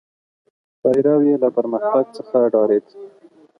پیرو یې له پرمختګ څخه ډارېد.